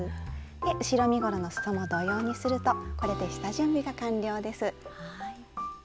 後ろ身ごろのすそも同様にするとこれで下準備が完了です。